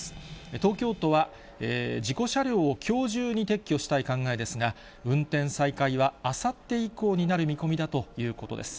東京都は、事故車両をきょう中に撤去したい考えですが、運転再開はあさって以降になる見込みだということです。